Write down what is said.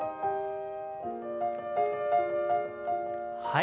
はい。